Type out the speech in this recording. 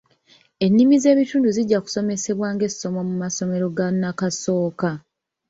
Ennimi z’ebitundu zijja kusomesebwa ng’essomo mu masomero ga nnakasooka.